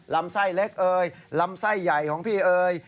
ลำไส้เล็กเอ่ยลำไส้ใหญ่ของพี่เอ๋ย